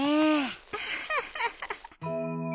アハハハハ。